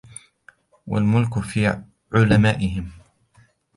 وَالْمُلْكَ فِي عُلَمَائِهِمْ